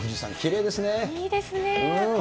いいですね。